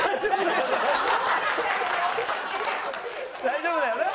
大丈夫だよな？